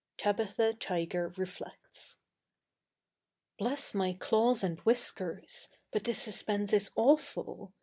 Tabitha Tiger Reflects. (Tabitha Tiger.) Bless my claws and whiskers! but this suspense is awful.